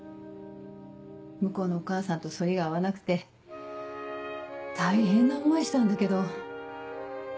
向こうのお母さんと反りが合わなくて大変な思いしたんだけど。